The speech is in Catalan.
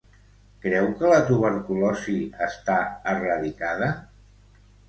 Creu que la tuberculosi està erradicada?